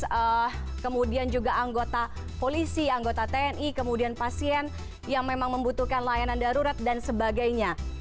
petugas kemudian juga anggota polisi anggota tni kemudian pasien yang memang membutuhkan layanan darurat dan sebagainya